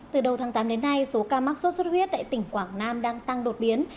từ đầu tháng tám đến nay số ca mắc sốt xuất huyết tại tỉnh quảng nam đang tăng đột biến